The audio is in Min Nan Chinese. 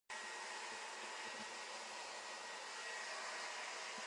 瀾